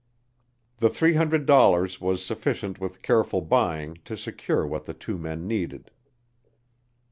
The three hundred dollars was sufficient with careful buying to secure what the two men needed.